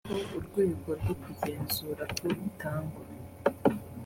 mushyireho urwego rwo kugenzura ko itangwa .